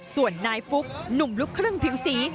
ส่วนนายฟุ๊กหนุ่มลูกครึ่งผิวสี